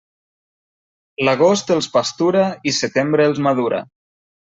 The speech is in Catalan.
L'agost els pastura i setembre els madura.